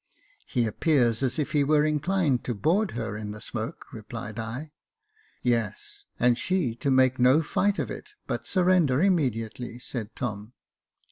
" He appears as if he were inclined to board her in the smoke," repHed I. "Yes, and she to make no fight of it, but surrender immediately," said Tom.